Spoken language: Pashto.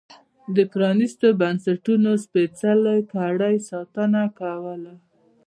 د پرانیستو بنسټونو سپېڅلې کړۍ ساتنه کوله.